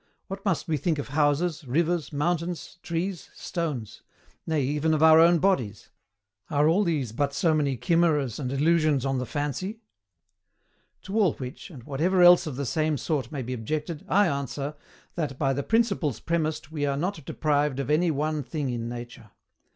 What must we think of houses, rivers, mountains, trees, stones; nay, even of our own bodies? Are all these but so many chimeras and illusions on the fancy? To all which, and whatever else of the same sort may be objected, I ANSWER, that by the principles premised we are not deprived of any one thing in nature.